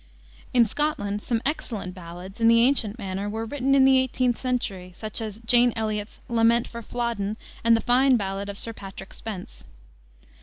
In Scotland some excellent ballads in the ancient manner were written in the 18th century, such as Jane Elliott's Lament for Flodden, and the fine ballad of Sir Patrick Spence.